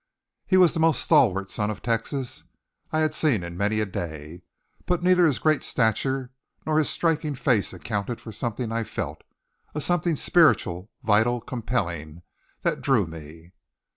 He was the most stalwart son of Texas I had seen in many a day, but neither his great stature nor his striking face accounted for something I felt a something spiritual, vital, compelling, that drew me.